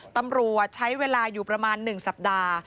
ตำรวจใช้เวลาอยู่ประมาณ๑สัปดาห์